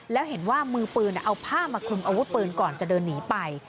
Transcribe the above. แล้วเห็นว่ามือปืนเอาผ้ามาคลุมอาวุธปืนก่อนจะเดินหนีไป